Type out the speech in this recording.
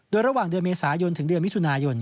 โดยระหว่างเดือนเมษายนถึงเดือนมิถุนายน